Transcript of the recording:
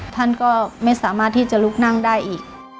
ท่านก็ไม่สามารถที่จะลุกนั่งได้อีก